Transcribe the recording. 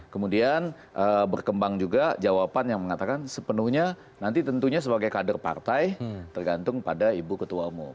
kemudian berkembang juga jawaban yang mengatakan sepenuhnya nanti tentunya sebagai kader partai tergantung pada ibu ketua umum